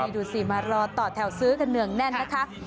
ดูสิมารอต่อแถวซื้อกันเนืองแน่นนะคะ